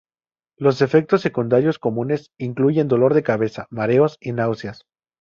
Los efectos secundarios comunes incluyen dolor de cabeza, mareos y náuseas.